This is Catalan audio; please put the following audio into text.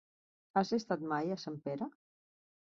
Has estat mai a Sempere?